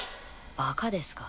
バカですか？